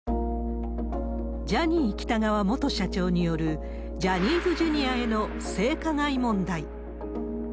ジャニー喜多川元社長によるジャニーズＪｒ．への性加害問題。